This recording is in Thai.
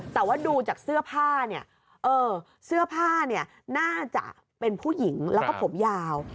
แต่ว่าดูจากเสื้อผ้าเนี่ยเออเสื้อผ้าเนี่ยน่าจะเป็นผู้หญิงแล้วก็ผมยาว